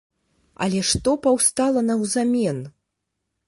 Але што паўстала наўзамен?